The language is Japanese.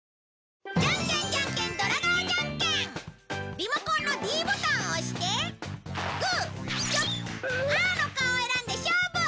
リモコンのｄボタンを押してグーチョキパーの顔を選んで勝負！